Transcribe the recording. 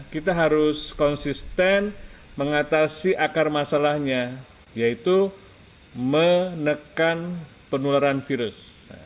kita harus konsisten mengatasi akar masalahnya yaitu menekan penularan virus